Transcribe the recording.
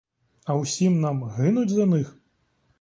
А усім нам гинуть за них?